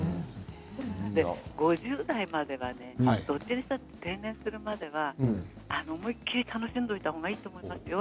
５０代まではどっちにしても定年するまでは思いっ切り楽しんでおいた方がいいと思いますよ